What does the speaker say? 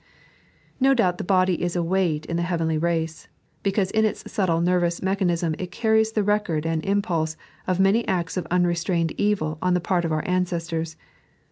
No doubt the body is a weight in the heavenly race, because in its subtle nervous mechanism it carries the record and impulse of many acts of unrestrained evil on the part of our ancestors.